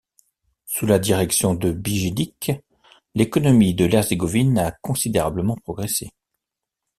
Sous la direction de Bijedić, l'économie de l'Herzégovine a considérablement progressé.